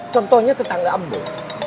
contohnya tetangga ambung